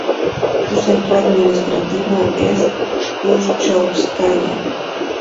Su centro administrativo es Kushchóvskaya.